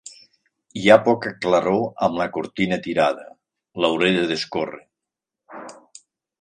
Hi ha poca claror amb la cortina tirada: l'hauré de descórrer.